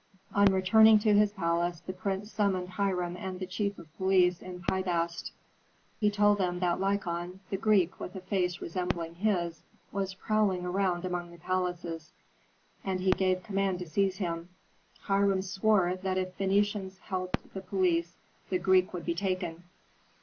On returning to his palace the prince summoned Hiram and the chief of police in Pi Bast. He told them that Lykon, the Greek with a face resembling his, was prowling around among the palaces, and he gave command to seize him. Hiram swore that if Phœnicians helped the police the Greek would be taken.